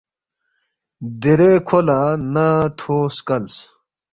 “دیرے کھو لہ نا تھو سکلس